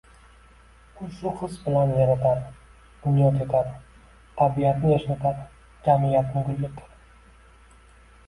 U shu his bilan yaratadi, bunyod etadi, tabiatni yashnatadi, jamiyatni gullatadi.